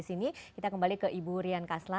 terima kasih didak formulasi oleh